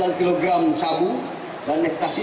ini mungkin beberapa kali ini yang bisa kita dapatkan